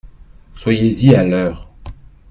Soyez-y à l’heure !